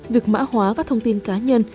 việc mã hóa các thông tin cá nhân